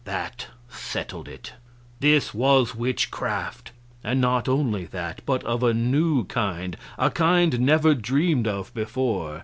That settled it. This was witchcraft. And not only that, but of a new kind a kind never dreamed of before.